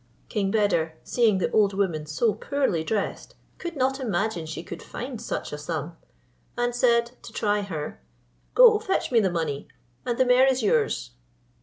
King Beder, seeing the old woman so poorly dressed, could not imagine she could find such a sum; and said, to try her, "Go, fetch me the money, and the mare is yours."